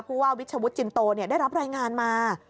ผู้ว่าวิชวุฒิจินโตได้รับรายงานมา